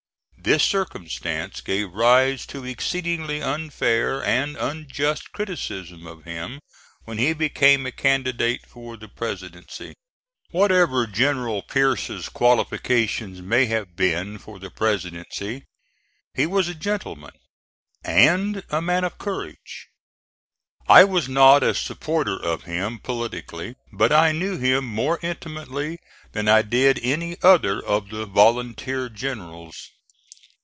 This circumstance gave rise to exceedingly unfair and unjust criticisms of him when he became a candidate for the Presidency. Whatever General Pierce's qualifications may have been for the Presidency, he was a gentleman and a man of courage. I was not a supporter of him politically, but I knew him more intimately than I did any other of the volunteer generals.